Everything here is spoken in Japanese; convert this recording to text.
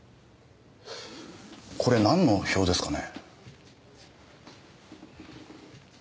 これなんの表ですかね？